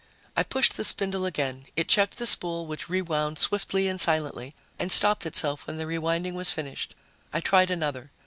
I pushed the spindle again. It checked the spool, which rewound swiftly and silently, and stopped itself when the rewinding was finished. I tried another.